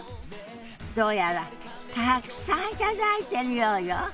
どうやらたくさん頂いてるようよ。